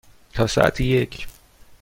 تا ساعت یک.